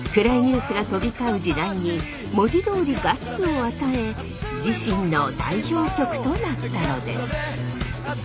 暗いニュースが飛び交う時代に文字どおりガッツを与え自身の代表曲となったのです。